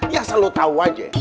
ya selalu tahu aja